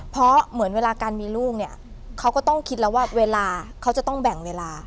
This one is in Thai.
เพราะเหมือนเวลาการมีลูกเนี่ยเขาก็ต้องคิดแล้วว่าเวลาเขาจะต้องแบ่งเวลา